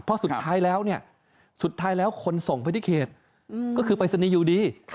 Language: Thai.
เพราะสุดท้ายแล้วเนี่ยสุดท้ายแล้วคนส่งไปที่เขตก็คือปริศนีย์อยู่ดี